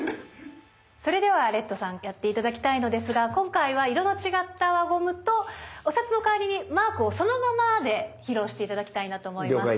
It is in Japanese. それではレッドさんやって頂きたいのですが今回は色の違った輪ゴムとお札の代わりにマークをそのままで披露して頂きたいなと思います。